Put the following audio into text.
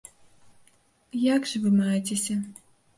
Як жа вы маецеся?